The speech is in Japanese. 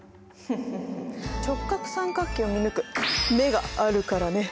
フフフ直角三角形を見抜く目があるからね。